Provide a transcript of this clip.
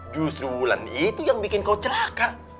justru wulan itu yang bikin kau celaka